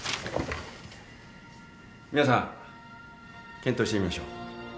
皆さん検討してみましょう。